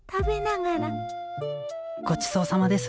ごちそうさまです。